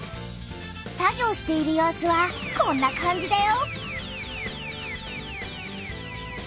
作業している様子はこんな感じだよ。